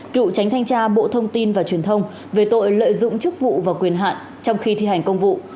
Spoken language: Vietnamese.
cựu tránh thanh tra bộ thông tin và truyền thông về tội lợi dụng chức vụ và quyền hạn trong khi thi hành công vụ